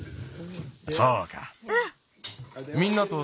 そうか。